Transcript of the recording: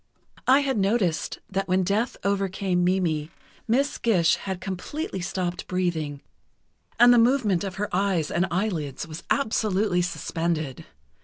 I had noticed that when death overcame Mimi, Miss Gish had completely stopped breathing and the movement of her eyes and eyelids was absolutely suspended.